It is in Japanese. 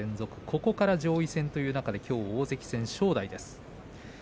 ここから上位戦という中できょう大関の正代と対戦です。